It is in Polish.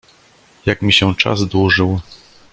"Jak mi się czas dłużył."